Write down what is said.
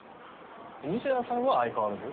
西田さんは相変わらず？